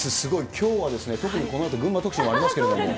きょうは特にこのあと群馬特集もありますけれども。